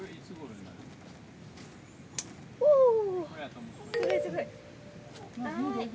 おすごいすごい。